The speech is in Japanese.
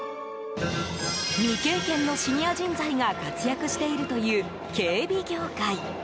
未経験のシニア人材が活躍しているという警備業界。